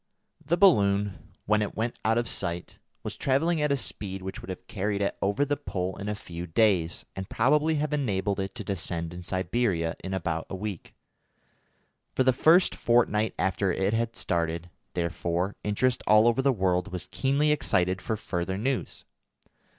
The balloon, when it went out of sight, was travelling at a speed which would have carried it over the Pole in a few days, and probably have enabled it to descend in Siberia in about a week. For the first fortnight after it had started, therefore, interest all over the world was keenly excited for further news.